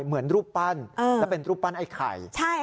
เหมือนรูปปั้นและเป็นรูปปั้นไอ้ไข่